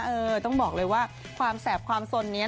เออต้องบอกเลยว่าความแสบความสนนี้